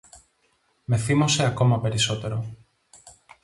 Με θύμωσε ακόμα περισσότερο.